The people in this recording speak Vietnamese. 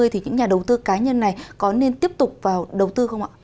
thì những nhà đầu tư cá nhân này có nên tiếp tục vào đầu tư không ạ